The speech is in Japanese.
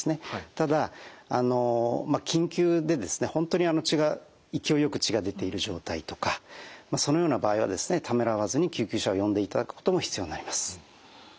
ただ緊急で本当に血が勢いよく血が出ている状態とかそのような場合はためらわずに救急車を呼んでいただくことも必要になります。